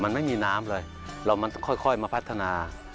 มันไม่มีน้ำเลยเรามันต้องค่อยมาพัฒนา